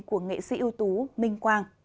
của nghệ sĩ ưu tú minh quang